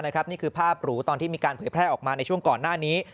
นี่คือภาพหรูตอนที่มีการเผยแพร่ออกมาในช่วงก่อนหน้านี้